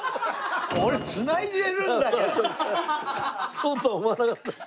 そうとは思わなかったです。